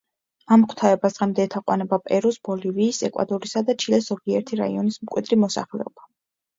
ამ ღვთაებას დღემდე ეთაყვანება პერუს, ბოლივიის, ეკვადორისა და ჩილეს ზოგიერთი რაიონის მკვიდრი მოსახლეობა.